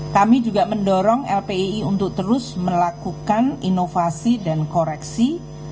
kami juga mendorong lpi untuk terus melakukan inovasi dan koreksi